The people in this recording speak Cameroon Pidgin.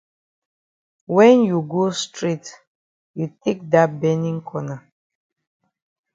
When you go straight you take dat benin corner.